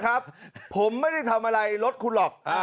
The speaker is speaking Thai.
ครับผมไม่ได้ทำอะไรรถคุณหรอก